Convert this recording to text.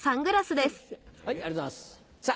ありがとうございます。